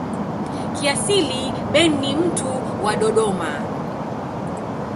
Kiasili Ben ni mtu wa Dodoma.